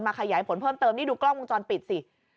ขยายผลเพิ่มเติมนี่ดูกล้องวงจรปิดสิ